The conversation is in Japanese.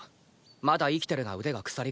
まだ生きてるが腕が腐りかけてる。